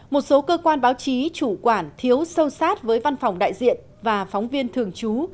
một số cơ quan báo chí chủ quản thiếu sâu sát với văn phòng đại diện và phóng viên thường trú